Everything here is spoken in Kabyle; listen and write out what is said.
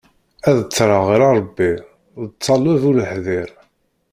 Ad ttreɣ ɣer Ṛebbi, d ṭṭaleb uleḥḍir.